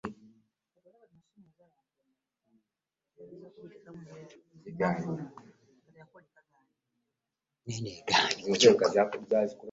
Bwe tugezaako okukuwabula onyiiga binyiizi ate.